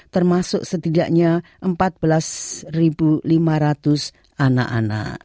termasuk setidaknya empat belas lima ratus anak anak